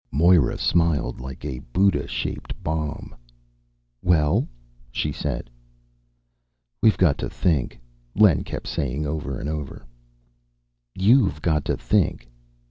_" Moira smiled, like a Buddha shaped bomb. "Well?" she said. "We've got to think," Len kept saying over and over. "You've got to think."